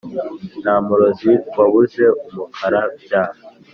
Nta murozi wabuze umukarabya.